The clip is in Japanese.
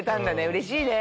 うれしいね。